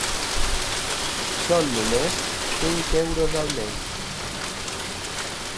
Són només cinc euros al mes.